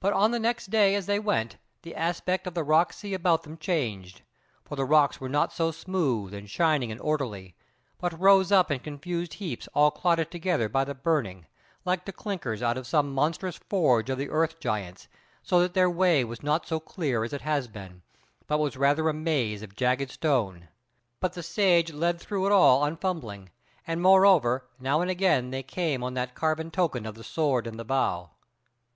But on the next day as they went, the aspect of the rock sea about them changed: for the rocks were not so smooth and shining and orderly, but rose up in confused heaps all clotted together by the burning, like to clinkers out of some monstrous forge of the earth giants, so that their way was naught so clear as it had been, but was rather a maze of jagged stone. But the Sage led through it all unfumbling, and moreover now and again they came on that carven token of the sword and the bough.